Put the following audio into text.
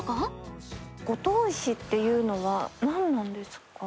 五島石っていうのは何なんですか？